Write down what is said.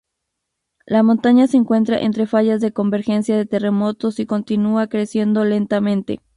La montaña se encuentra entre fallas de convergencia de terremotos y continúa creciendo lentamente.